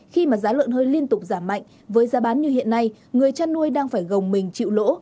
khi mà giá lợn hơi liên tục giảm mạnh với giá bán như hiện nay người chăn nuôi đang phải gồng mình chịu lỗ